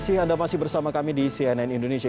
terima kasih anda masih bersama kami di cnn indonesia